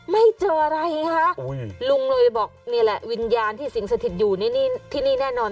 ไม่เจออะไรคะลุงเลยบอกนี่แหละวิญญาณที่สิงสถิตอยู่นี่ที่นี่แน่นอน